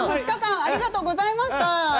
２日間ありがとうございました。